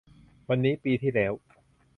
วันนี้ ปีที่แล้ว